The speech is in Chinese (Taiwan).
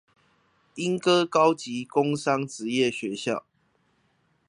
鶯歌高級工商職業學校